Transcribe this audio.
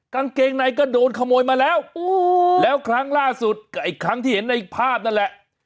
กางเกงในก็โดนขโมยมาแล้วแล้วครั้งล่าสุดกับไอ้ครั้งที่เห็นในภาพนั่นแหละ